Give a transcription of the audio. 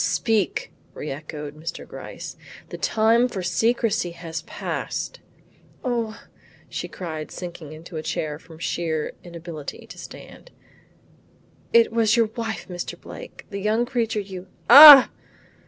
"Speak!" reechoed Mr. Gryce; "the time for secrecy has passed." "O," cried she, sinking into a chair from sheer inability to stand, "it was your wife, Mr. Blake, the young creature you " "Ah!"